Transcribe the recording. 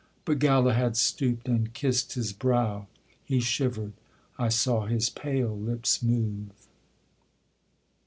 But Galahad stoop'd and kiss'd his brow: He shiver'd; I saw his pale lips move.